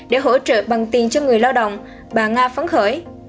để hỗ trợ bằng tiền cho người lao động bà nga phấn khởi